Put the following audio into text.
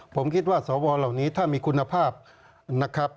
ผมคิดว่าสวเหล่านี้ถ้ามีคุณภาพนะครับ